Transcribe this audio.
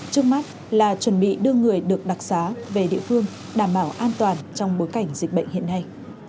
trước mắt là chuẩn bị đưa người được đặc xá về địa phương đảm bảo an toàn trong bối cảnh dịch bệnh hiện nay